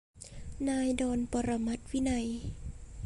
นายดอน ปรมัตถ์วินัย